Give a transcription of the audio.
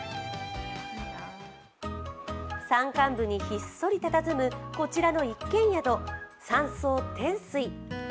山間部にひっそりたたずむこちらの一軒宿、山荘天水。